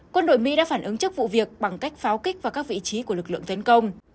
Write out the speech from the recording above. quân đội mỹ đã phản ứng trước vụ việc bằng cách pháo kích vào các vị trí của lực lượng tấn công